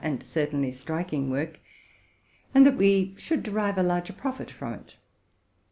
and certainly strik ing work, and that we should derive a larger profit from it.